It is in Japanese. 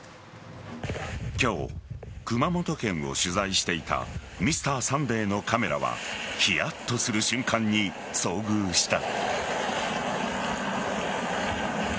今日、熊本県を取材していた「Ｍｒ．サンデー」のカメラはヒヤッとする瞬間に遭遇した。